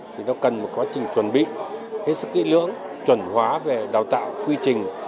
thì nó cần một quá trình chuẩn bị hết sức kỹ lưỡng chuẩn hóa về đào tạo quy trình